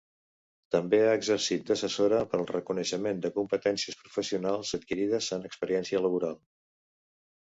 També ha exercit d'assessora per al reconeixement de competències professionals adquirides en experiència laboral.